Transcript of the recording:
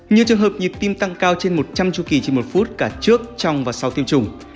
nhiều trường hợp nhịp tim tăng cao trên một trăm linh chu kỳ trên một phút cả trước trong và sau tiêm chủng